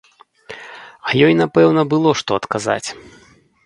А ёй напэўна было што адказаць.